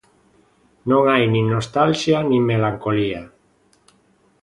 Non hai nin nostalxia nin melancolía.